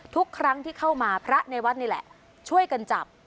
ทุกครั้งที่เข้ามาพระในวัดนี่แหละช่วยกันจับ